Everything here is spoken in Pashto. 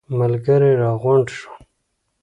ملګري راغونډ شول.